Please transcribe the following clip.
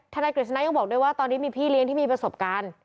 นายกฤษณะยังบอกด้วยว่าตอนนี้มีพี่เลี้ยงที่มีประสบการณ์